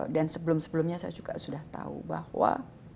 dan sebelum sebelumnya saya juga sudah tahu bahwa